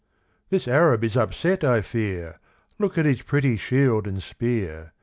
This Arab is upset, I fear; Look at his pretty shield and spear.